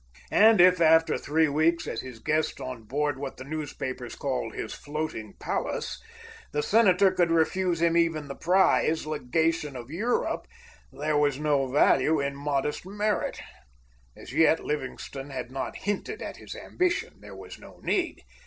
And if, after three weeks as his guest on board what the newspapers called his floating palace, the senator could refuse him even the prize, legation of Europe, there was no value in modest merit. As yet, Livingstone had not hinted at his ambition. There was no need.